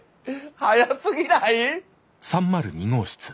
早すぎない？